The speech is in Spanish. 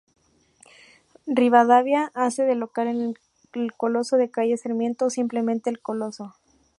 Rivadavia hace de local en el Coloso de Calle Sarmiento, o simplemente "El Coloso".